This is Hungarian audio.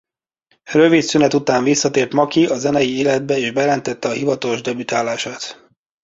Rövid szünet után visszatért Maki a zenei életbe és bejelentette a hivatalos debütálását.